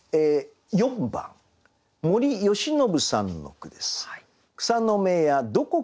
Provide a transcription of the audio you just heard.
４番森吉庸さんの句です。